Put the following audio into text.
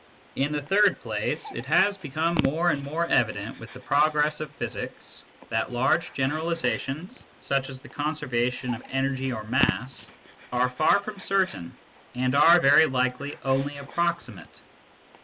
In the third place, it SCIENTIFIC METHOD IN PHILOSOPHY 105 has become more and more evident with the progress of physics that large generalisations, such as the conserva tion of energy or mass, are far from certain and are very likely only approximate.